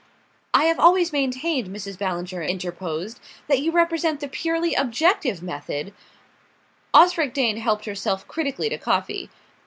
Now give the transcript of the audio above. "I have always maintained," Mrs. Ballinger interposed, "that you represent the purely objective method " Osric Dane helped herself critically to coffee.